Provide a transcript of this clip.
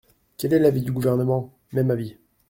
Quel est l’avis du Gouvernement ? Même avis.